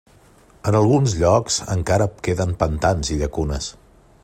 En alguns llocs encara queden pantans i llacunes.